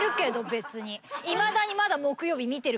別に。